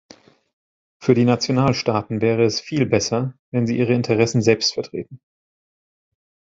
Für die Nationalstaaten wäre es viel besser, wenn sie ihre Interessen selbst vertreten.